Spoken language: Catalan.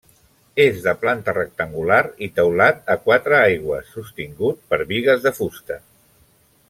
És de planta rectangular i teulat a quatre aigües sostingut per bigues de fusta.